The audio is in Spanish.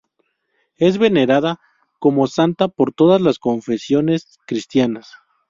Es venerada como santa por todas las confesiones cristianas.